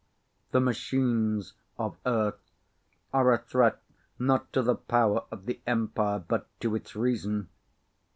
The "Machines" of Earth are a threat not to the power of the Empire but to its reason.